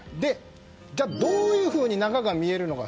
じゃあ、どういうふうに中が見えるのか。